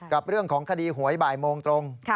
กับเรื่องของคดีหวยบ่ายโมงตรง